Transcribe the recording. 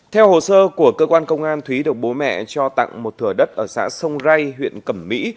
theo hồ sơ của cơ quan công an thúy được bố mẹ cho tặng một thừa đất ở xã sông ray huyện cẩm mỹ